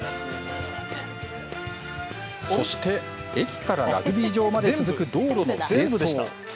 そして、駅からラグビー場まで続く道路の清掃。